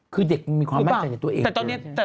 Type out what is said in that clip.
คือเด็กมึงมีความแม่ใจในตัวเอง